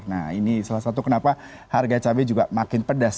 nah ini salah satu kenapa harga cabai juga makin pedas